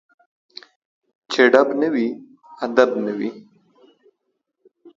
چي ډب نه وي ، ادب نه وي